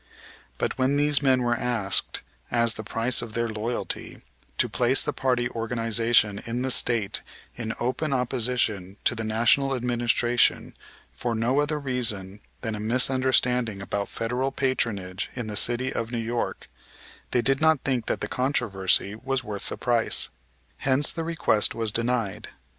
But when these men were asked, as the price of their loyalty, to place the party organization in the State in open opposition to the National Administration for no other reason than a misunderstanding about Federal patronage in the city of New York, they did not think that the controversy was worth the price; hence the request was denied.